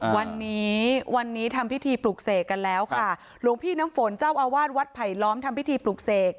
วันนี้วันนี้ทำพิธีปลุกเสกกันแล้วค่ะหลวงพี่น้ำฝนเจ้าอาวาสวัดไผลล้อมทำพิธีปลุกเสก